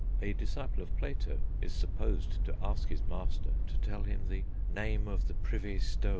A disciple of Plato is supposed to ask his master to tell him the "namè of the privee stoon."